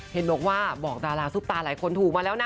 เห็นบอกว่าบอกดาราซุปตาหลายคนถูกมาแล้วนะ